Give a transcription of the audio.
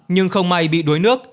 nhưng không may bị đuổi